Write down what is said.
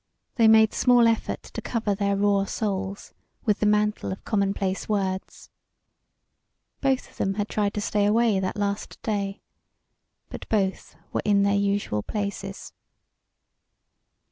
They made small effort to cover their raw souls with the mantle of commonplace words. Both of them had tried to stay away that last day. But both were in their usual places.